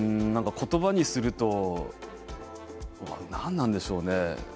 言葉にすると何なんでしょうね。